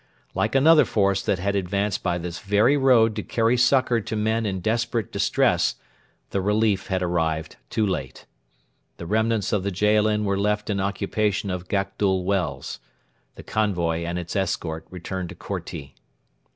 Like another force that had advanced by this very road to carry succour to men in desperate distress, the relief had arrived too late. The remnants of the Jaalin were left in occupation of Gakdul Wells. The convoy and its escort returned to Korti.